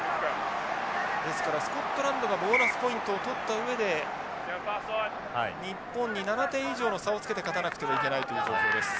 ですからスコットランドがボーナスポイントを取った上で日本に７点以上の差をつけて勝たなくてはいけないという状況です。